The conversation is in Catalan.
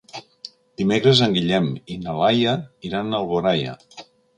Dimecres en Guillem i na Laia iran a Alboraia.